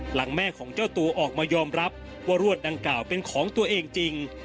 หลังแม่ของเจ้าตัวออกมายอมรับว่ารวดดังกล่าวเป็นของตัวเองจริง